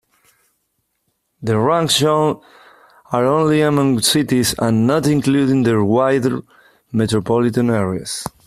The ranks shown are only among cities and not including their wider metropolitan areas.